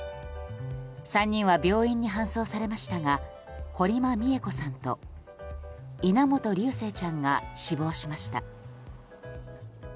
３人は、病院に搬送されましたが堀間美恵子さんと稲本琉正ちゃんが死亡しました。